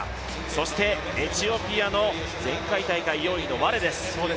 そしてエチオピアの前回大会４位のワレです。